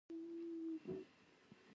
د استاد د بینوا نثر ډېر روان او خوږ دی.